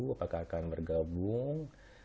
apakah akan bergabung